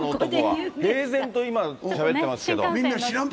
平然としゃべってますけど。